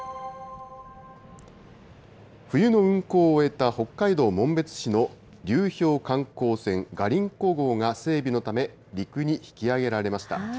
冬の運航を終えた北海道紋別市の流氷観光船、ガリンコ号が整備のため陸に引き上げられました。